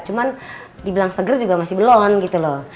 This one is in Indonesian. cuman dibilang seger juga masih belum gitu loh